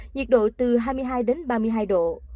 nhiệt độ từ hai mươi hai đến ba mươi hai độ